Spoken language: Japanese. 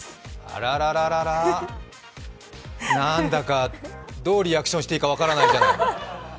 あららららなんだか、どうリアクションしていいか分からないじゃない。